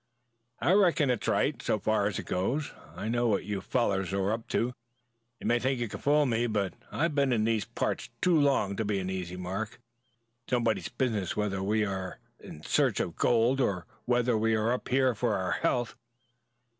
"I reckon it's right, so far as it goes. I know what you fellows are up to. You may think you can fool me, but I've been in these parts too long to be an easy mark. It's nobody's business whether we are in search of gold or whether we are up here for our health.